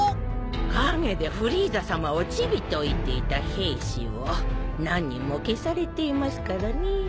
陰でフリーザさまをチビと言っていた兵士を何人も消されていますからね。